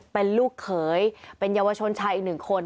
เป็นลูกเขยเป็นเยาวชนชายอีกหนึ่งคน